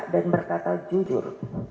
dan berkata jujur